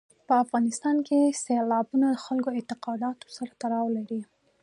په افغانستان کې سیلابونه د خلکو له اعتقاداتو سره تړاو لري.